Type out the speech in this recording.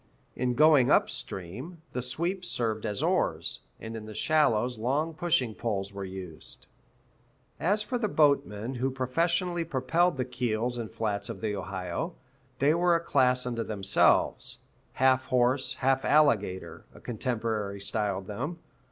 In going up stream, the sweeps served as oars, and in the shallows long pushing poles were used. As for the boatmen who professionally propelled the keels and flats of the Ohio, they were a class unto themselves "half horse, half alligator," a contemporary styled them.